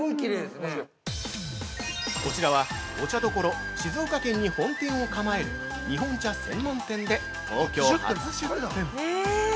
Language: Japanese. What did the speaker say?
◆こちらは、お茶どころ静岡県に本店を構える日本茶専門店で東京初出店！